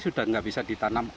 sudah nggak bisa ditanam